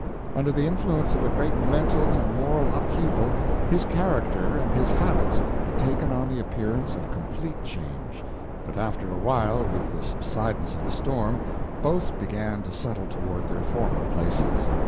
Under the influence of a great mental and moral upheaval his character and habits had taken on the appearance of complete change, but after a while with the subsidence of the storm both began to settle toward their former places.